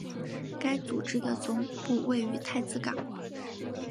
该组织的总部位于太子港。